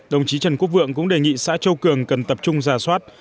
đồng chí trần quốc vượng cũng đề nghị xã châu cường cần tập trung giả soát